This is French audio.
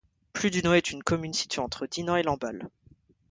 Pluduno est une commune située entre Dinan et Lamballe.